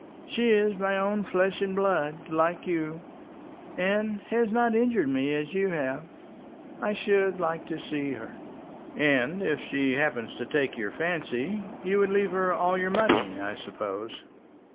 She is my own flesh and blood, like you, and has not injured me as you have. I should like to see her." "And if she happened to take your fancy, you would leave her all your money, I suppose?"